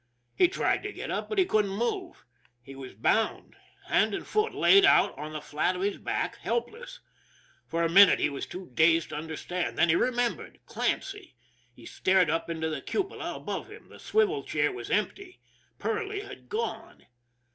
He tried to get up, but he couldn't move. He was bound hand and foot, laid out on the flat of his back helpless. For a minute he was too dazed to under stand, then he remembered Clancy. He stared up into the cupola above him. The swivel chair was empty Perley had gone!